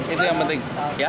itu yang penting